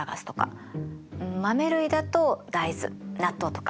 豆類だと大豆納豆とか。